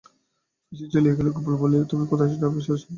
পিসি চলিয়া গেলে গোপাল বলিল, তুমি কোথায় যাবে শশী?